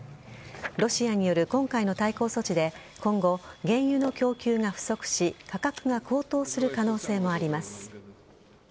ロシアによる今回の対抗措置で今後、原油の供給が不足し価格が高騰する可能性もあります。